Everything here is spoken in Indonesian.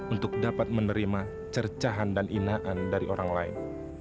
untuk dapat menerima cercahan dan inaan dari orang lain